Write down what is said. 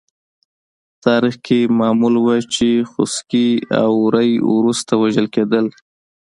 تاریخ کې معمول وه چې خوسکي او وری وروسته وژل کېدل.